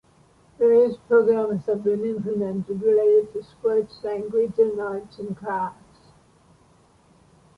Various programs have been implemented related to sports, language, and arts and crafts.